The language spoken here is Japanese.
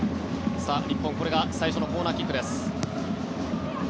日本、これが最初のコーナーキックです。